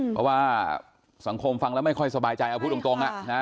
เพราะว่าสังคมฟังแล้วไม่ค่อยสบายใจเอาพูดตรง